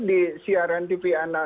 di siaran tv